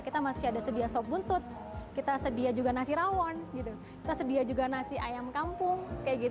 kita masih ada sedia sop buntut kita sedia juga nasi rawon gitu kita sedia juga nasi ayam kampung